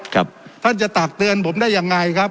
ครับท่านจะตักเตือนผมได้ยังไงครับ